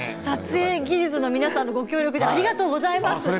撮影技術の皆さんのご協力でありがとうございます。